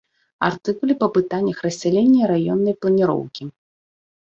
Артыкулы па пытаннях рассялення і раённай планіроўкі.